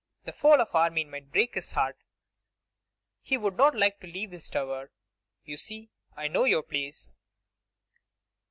The fall of Armine might break his heart; he would not like to leave his tower. You see, I know your place.